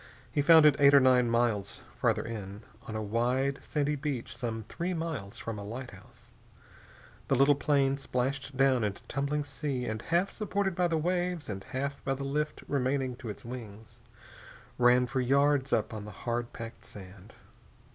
He found it eight or nine miles farther on, on a wide sandy beach some three miles from a lighthouse. The little plane splashed down into tumbling sea and, half supported by the waves and half by the lift remaining to its wings, ran for yards up upon the hard packed sand.